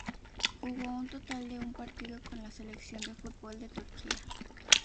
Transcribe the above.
Jugó un total de un partido con la selección de fútbol de Turquía.